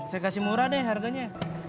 saya kasih murah deh harganya